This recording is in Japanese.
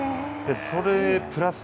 それプラス